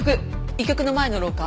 医局の前の廊下。